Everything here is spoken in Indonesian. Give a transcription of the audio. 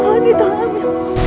mohon di tolong ya